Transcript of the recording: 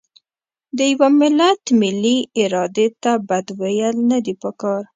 د یوه ملت ملي ارادې ته بد ویل نه دي پکار.